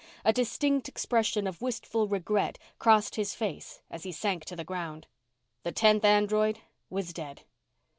A distinct expression of wistful regret crossed his face as he sank to the ground. The tenth android was dead.